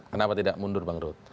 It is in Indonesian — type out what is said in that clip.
kenapa tidak mundur bang rut